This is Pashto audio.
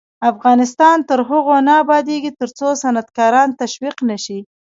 افغانستان تر هغو نه ابادیږي، ترڅو صنعتکاران تشویق نشي.